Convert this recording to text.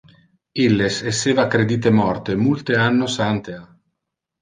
Illes esseva credite morte multe annos antea.